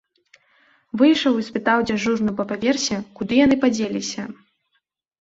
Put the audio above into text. Выйшаў і спытаў дзяжурную па паверсе, куды яны падзеліся.